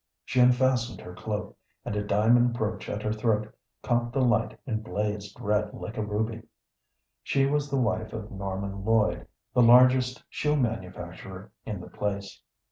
She unfastened her cloak, and a diamond brooch at her throat caught the light and blazed red like a ruby. She was the wife of Norman Lloyd, the largest shoe manufacturer in the place.